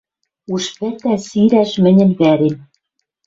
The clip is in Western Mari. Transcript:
Уж пӹтӓ сирӓш мӹньӹн вӓрем.